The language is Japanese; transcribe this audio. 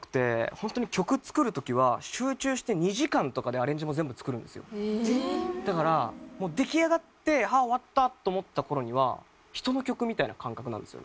ホントに曲作る時は集中してだからもう出来上がって「はあ終わった」と思った頃には人の曲みたいな感覚なんですよ。